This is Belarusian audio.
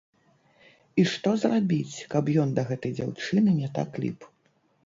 І што зрабіць, каб ён да гэтай дзяўчыны не так ліп?!.